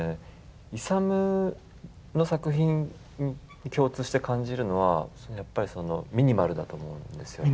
イサムの作品に共通して感じるのはやっぱりそのミニマルだと思うんですよね。